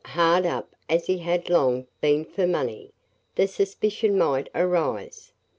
Hard up as he had long been for money, the suspicion might arise.